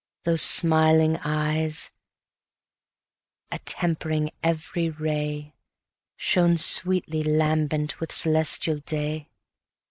Those smiling eyes, attempering every ray, Shone sweetly lambent with celestial day.